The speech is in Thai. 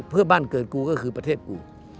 เพื่อบ้านเกิดกูก็คือประเทศกู